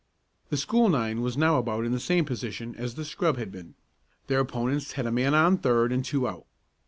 The school nine was now about in the same position as the scrub had been. Their opponents had a man on third and two out.